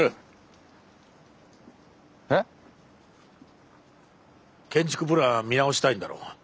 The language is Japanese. えっ！？建築プラン見直したいんだろう？